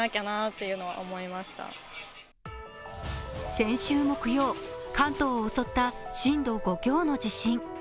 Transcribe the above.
先週木曜、関東を襲った震度５強の地震。